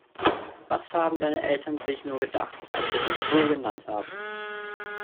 Was haben deine Eltern sich nur gedacht, als sie dich so genannt haben?